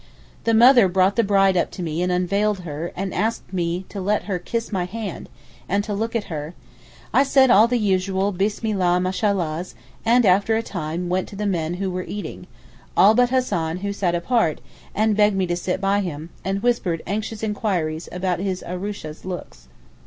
The mother brought the bride up to me and unveiled her and asked me to let her kiss my hand, and to look at her, I said all the usual Bismillah Mashallah's, and after a time went to the men who were eating, all but Hassan who sat apart and who begged me to sit by him, and whispered anxious enquiries about his aroosah's looks.